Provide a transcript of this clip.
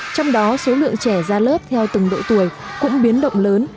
trong đó số lượng trẻ ra lớp theo từng độ tuổi cũng biến động lớn